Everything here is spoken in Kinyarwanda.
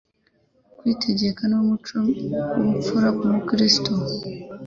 Kwitegeka ni wo muco mwiza w'ubupfura ku mukristo.